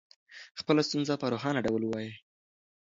خپله ستونزه په روښانه ډول ووایئ.